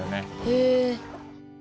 へえ。